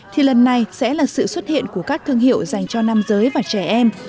thì lần này sẽ là sự xuất hiện của các thương hiệu dành cho nam giới và trẻ em